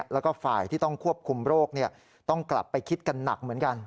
แล้วก็ฝ่ายที่ต้องควบคุมโรคต้องกลับไปคิดกันหนักเหมือนกัน